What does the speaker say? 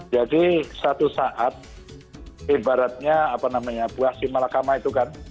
jadi satu saat ibaratnya apa namanya buah si malakama itu kan